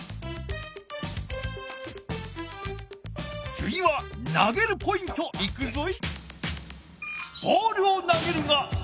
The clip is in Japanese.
つぎはなげるポイントいくぞい！